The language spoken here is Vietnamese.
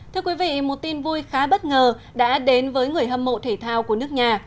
thưa quý vị một tin vui khá bất ngờ đã đến với người hâm mộ thể thao của nước nhà